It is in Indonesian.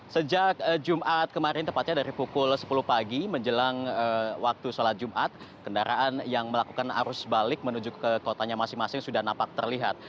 sejak jumat kemarin tepatnya dari pukul sepuluh pagi menjelang waktu sholat jumat kendaraan yang melakukan arus balik menuju ke kotanya masing masing sudah nampak terlihat